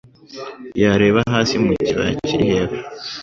Yareba hasi mu kibaya kiri hepfo.